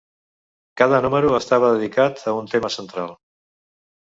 Cada número estava dedicat a un tema central.